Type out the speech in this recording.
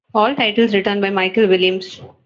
All titles written by Michael Williams.